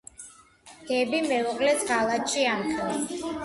დები მეუღლეს ღალატში ამხელს.